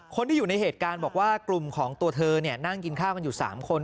คนที่อยู่ในเหตุการณ์บอกว่ากลุ่มของตัวเธอนั่งกินข้าวกันอยู่๓คน